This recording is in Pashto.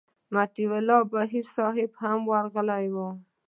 مطیع الله بهیر صاحب هم ورغلی و.